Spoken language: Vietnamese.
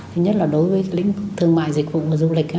thứ nhất là đối với lĩnh thương mại dịch vụ và du lịch